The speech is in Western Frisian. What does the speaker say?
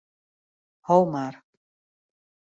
Ho mar.